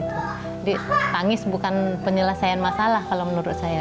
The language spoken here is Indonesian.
jadi tangis bukan penyelesaian masalah kalau menurut saya